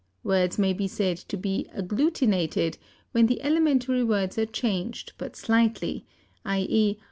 Words maybe said to be agglutinated when the elementary words are changed but slightly, _i.e.